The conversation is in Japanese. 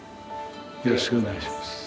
よろしくお願いします。